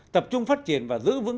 tập trung phát triển và giữ vững